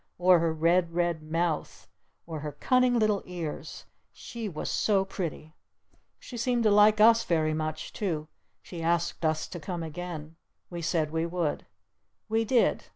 Or her red, red mouth! Or her cunning little ears! She was so pretty! She seemed to like us very much too. She asked us to come again. We said we would. We did.